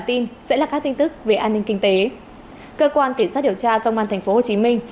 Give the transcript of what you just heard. tin sẽ là các tin tức về an ninh kinh tế cơ quan cảnh sát điều tra công an thành phố hồ chí minh